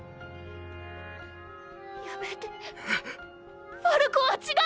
やめてファルコは違うの！！